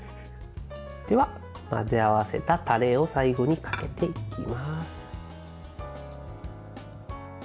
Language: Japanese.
では、混ぜ合わせたタレを最後にかけていきます。